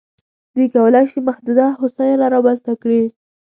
دوی کولای شي محدوده هوساینه رامنځته کړي.